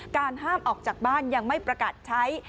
ห้ามออกจากบ้านยังไม่ประกาศใช้